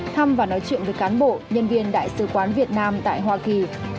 thăm và nói chuyện với cán bộ nhân viên đại sứ quán việt nam tại hoa kỳ